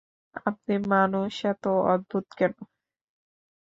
আপনি মানুষ এত অদ্ভুত কেন?